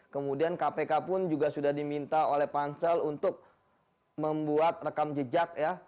kemudian kpk pun juga sudah diminta oleh pansel untuk membuat rekam jejak ya